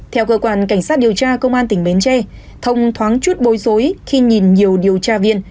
theo cơ quan cảnh sát điều tra công an tp hcm thông thoáng chút bối rối khi nhìn nhiều điều tra viên